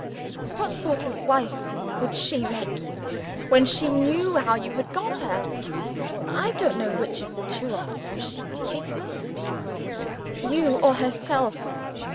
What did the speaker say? What sort of wife would she make you, when she knew how you had got her? I don't know which of the two she would hate most you or herself.